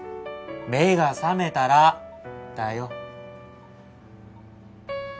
目が覚めたらだよ